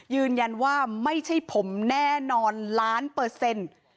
ยืนยันว่าไม่ใช่ผมแน่นอนล้านเปอร์เซ็นต์